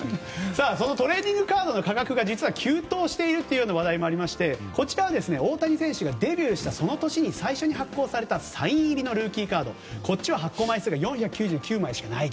そのトレーディングカードの価格が実は急騰している話題もあってこちらは大谷選手がデビューした年に最初に発行されたルーキーカードこっちは発行枚数が４９９枚しかないと。